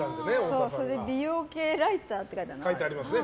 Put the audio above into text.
美容系ライターって書いてあるのね。